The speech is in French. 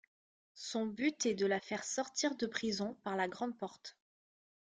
Son but est de la faire sortir de prison par la grande porte.